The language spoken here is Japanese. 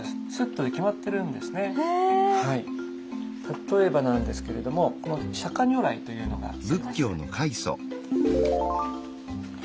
例えばなんですけれどもこの釈如来というのがあります。